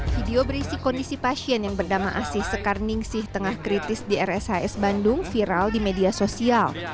video berisi kondisi pasien yang bernama asih sekar ningsih tengah kritis di rshs bandung viral di media sosial